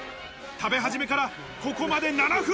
食べ始めから、ここまで７分。